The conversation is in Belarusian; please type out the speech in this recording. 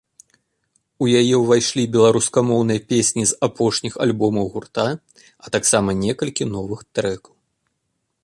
У яе ўвайшлі беларускамоўныя песні з апошніх альбомаў гурта, а таксама некалькі новых трэкаў.